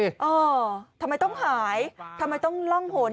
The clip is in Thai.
เออทำไมต้องหายทำไมต้องล่องหน